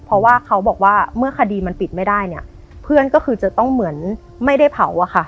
เพราะว่าเขาบอกว่าเมื่อคดีมันปิดไม่ได้เนี่ยเพื่อนก็คือจะต้องเหมือนไม่ได้เผาอะค่ะ